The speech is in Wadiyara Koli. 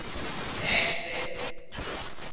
ڀيينش سي